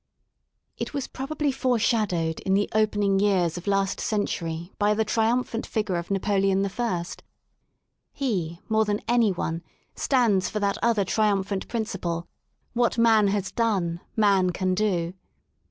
It was probably foreshadowed in the opening years of last century by the triumphant figure of Napoleon L He more than anyone stands for that other triumphant principle: What man has done man can do.